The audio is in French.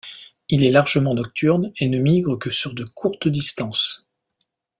Il est largement nocturne et ne migre que sur de courtes distances.